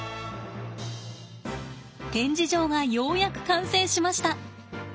展示場がようやく完成しました。